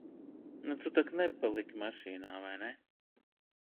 Nu, tu tak nepaliki mašīnā, vai ne?